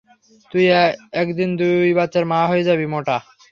তুই একদিন দুই বাচ্চার মা হয়ে যাবি, মোটা।